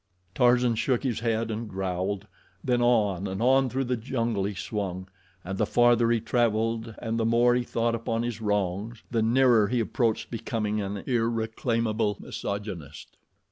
Tarzan shook his head and growled; then on and on through the jungle he swung, and the farther he traveled and the more he thought upon his wrongs, the nearer he approached becoming an irreclaimable misogynist.